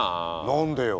何でよ！